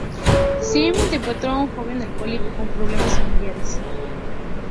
Sterling interpretó a un joven alcohólico con problemas familiares.